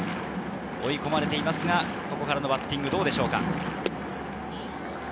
追い込まれていますが、ここからのバッティングはどうでしょうか？